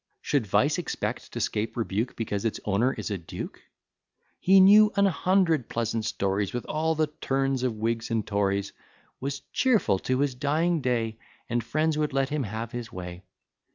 Should vice expect to 'scape rebuke, Because its owner is a duke? "He knew an hundred pleasant stories, With all the turns of Whigs and Tories: Was cheerful to his dying day; And friends would let him have his way.